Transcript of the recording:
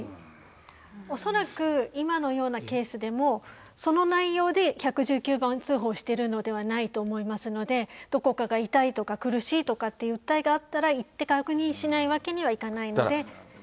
恐らく今のようなケースでも、その内容で１１９番通報してるのではないと思いますので、どこかが痛いとか、苦しいとかという訴えがあったら、行って確認しないわけにはいかないので。